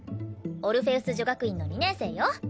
オルフェウス女学院の２年生よ。